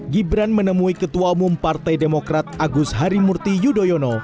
gibran menemui ketua umum partai demokrat agus harimurti yudhoyono